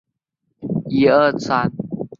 调查对象总人口数